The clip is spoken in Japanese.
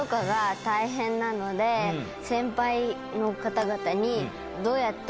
先輩の方々に。